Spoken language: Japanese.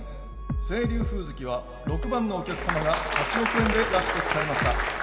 「青龍風月」は６番のお客様が８億円で落札されました